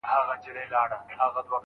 زما د بخت تصویر دی د بهزاد په قلم کښلی